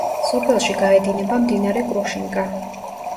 სოფელში გაედინება მდინარე კრუშინკა.